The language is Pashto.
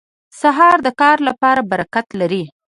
سهار د کار لپاره برکت لري.